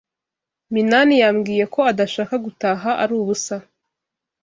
Minani yambwiye ko adashaka gutaha ari ubusa.